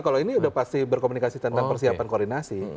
kalau ini sudah pasti berkomunikasi tentang persiapan koordinasi